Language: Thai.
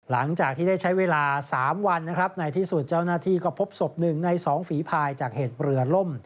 หลังจากที่ได้ใช้เวลา๓วันนะครับในที่สุดเจ้าหน้าที่ก็พบศพ๑ใน๒ฝีภายจากเหตุเรือล่ม